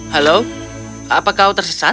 halo apa kau tersesat